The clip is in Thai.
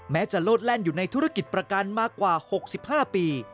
จะโลดแล่นอยู่ในธุรกิจประกันมากว่า๖๕ปี